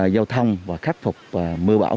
giao thông và khắc phục mưa bão